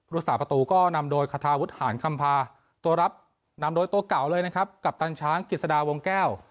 รักษาประตูก็นำโดยคาทาวุฒิหารคำพาตัวรับนำโดยตัวเก่าเลยนะครับกัปตันช้างกิจสดาวงแก้ว